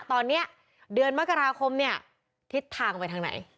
ตอนนี้เดือนมกราคมเนี่ยทิศทางไปทางไหน